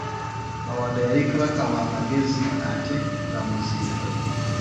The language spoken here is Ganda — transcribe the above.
Mawanda yali Kabaka wa magezi ate nga muzira.